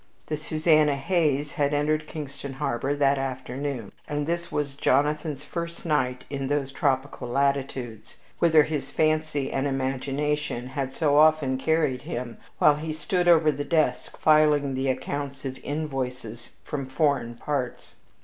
The Susanna Hayes had entered Kingston harbor that afternoon, and this was Jonathan's first night spent in those tropical latitudes, whither his fancy and his imagination had so often carried him while he stood over the desk filing the accounts of invoices from foreign parts.